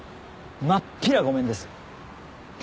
真っ平ごめんです。